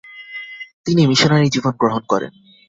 তিনি মিশনারি জীবন গ্রহণ করেন।